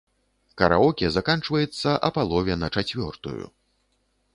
Караоке заканчваецца а палове на чацвёртую.